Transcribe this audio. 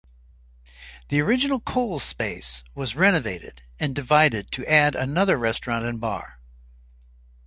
The original Cole's space was renovated and divided to add another restaurant and bar.